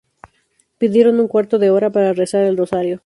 Pidieron un cuarto de hora para rezar el rosario.